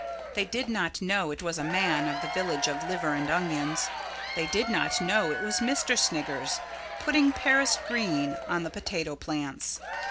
They did not know it was a man of the Village of Liver and Onions. They did not know it was Mr. Sniggers putting paris green on the potato plants.